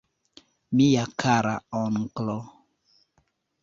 Mia kara onklo!